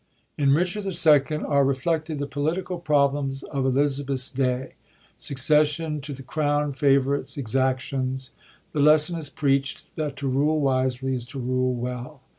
In Richard II. are reflected the political problems of Elizabeth's day— succession to the crown, favorites, exactions. The lesson is preacht, that to rule wisely is to rule well.